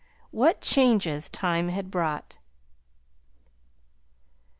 What changes time had brought!